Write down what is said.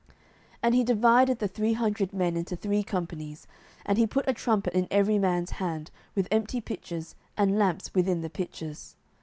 07:007:016 And he divided the three hundred men into three companies, and he put a trumpet in every man's hand, with empty pitchers, and lamps within the pitchers.